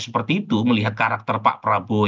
seperti itu melihat karakter pak prabowo